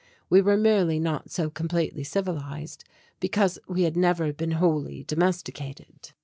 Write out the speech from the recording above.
We were merely not so completely civilized, because we had never been wholly domesticated.